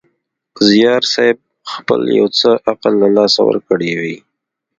زیارصېب خپل یو څه عقل له لاسه ورکړی وي.